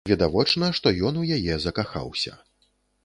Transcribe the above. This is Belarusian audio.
Відавочна, што ён у яе закахаўся.